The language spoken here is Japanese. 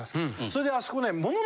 それであそこね。